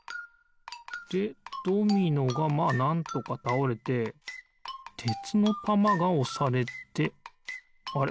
でドミノがまあなんとかたおれててつのたまがおされてあれ？